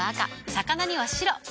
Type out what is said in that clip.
魚には白。